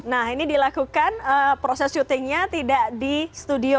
nah ini dilakukan proses syutingnya tidak di studio